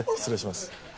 失礼します。